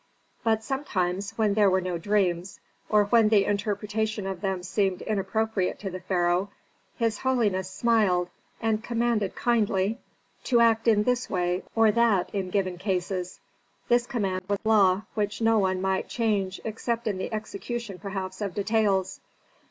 But sometimes, when there were no dreams, or when the interpretation of them seemed inappropriate to the pharaoh, his holiness smiled and commanded kindly to act in this way or that in given cases. This command was law which no one might change except in the execution perhaps of details.